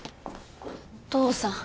お父さん。